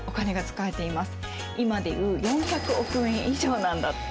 今で言う４００億円以上なんだって。